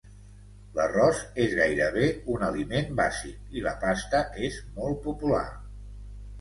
L'arròs és gairebé un aliment bàsic, i la pasta és molt popular.